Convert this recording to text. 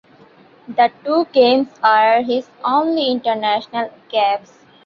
The two games were his only international caps.